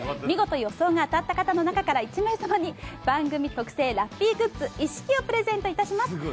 見事予想が当たった方の中から１名様に番組特製ラッピーグッズ一式プレゼントいたします。